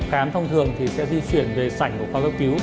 khám thông thường thì sẽ di chuyển về sảnh của khoa cấp cứu